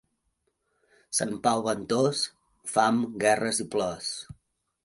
Sant Pau ventós, fam, guerres i plors.